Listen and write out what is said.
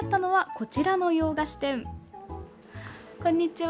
こんにちは！